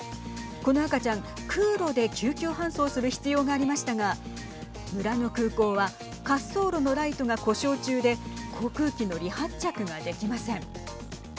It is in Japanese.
この赤ちゃん、空路で救急搬送する必要がありましたが村の空港は滑走路のライトが故障中で航空機の離発着ができません。